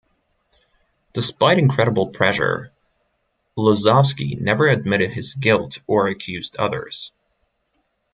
Despite incredible pressure, Lozovsky never admitted his guilt or accused others.